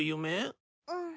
うん。